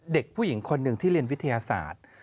เด็กผู้หญิงคนหนึ่งที่เรียนวิทยาศาสตร์